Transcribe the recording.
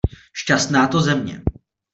Šťastná to země!